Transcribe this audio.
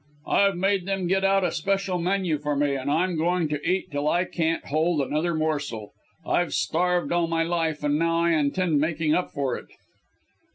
I've made them get out a special menu for me, and I'm going to eat till I can't hold another morsel. I've starved all my life and now I intend making up for it."